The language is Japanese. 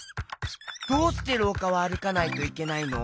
どうしてろうかはあるかないといけないの？